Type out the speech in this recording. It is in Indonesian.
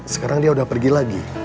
sekarang dia udah pergi lagi